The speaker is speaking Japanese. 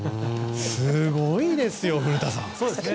すごいですよ、古田さん。